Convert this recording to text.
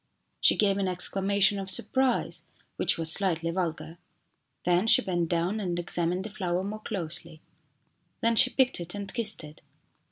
She gave an exclamation of surprise, which was slightly vulgar. Then she bent down and examined the flower more closely. Then she picked it and kissed it.